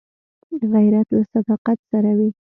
غیرت له صداقت سره وي